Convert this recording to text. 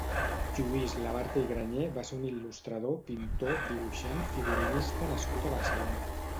Lluís Labarta i Grañé va ser un il·lustrador, pintor, dibuixant, figurinista nascut a Barcelona.